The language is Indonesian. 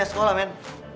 ini area sekolah men